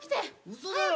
嘘だろ？